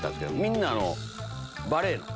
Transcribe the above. みんなバレエの。